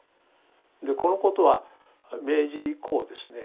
でこのことは明治以降ですね